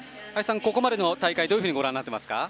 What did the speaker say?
ここまでの大会、どういうふうにご覧になっていますか。